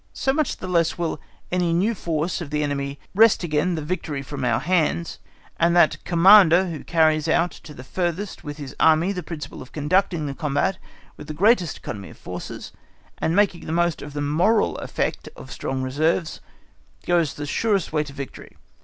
So much the less will any new force of the enemy wrest again the victory from our hands, and that Commander who carries out to the furthest with his Army the principle of conducting the combat with the greatest economy of forces, and making the most of the moral effect of strong reserves, goes the surest way to victory.